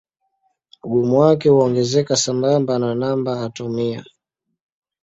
Ugumu wake huongezeka sambamba na namba atomia.